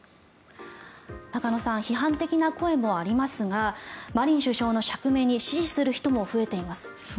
中野さん、批判的な声もありますがマリン首相の釈明に支持する人も増えています。